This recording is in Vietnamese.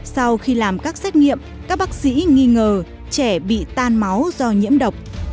sau khi làm các xét nghiệm các bác sĩ nghi ngờ trẻ bị tan máu do nhiễm độc